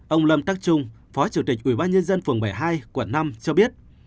ông lâm tắc trung phó chủ tịch ủy ban nhân dân phường bảy mươi hai quận năm cho biết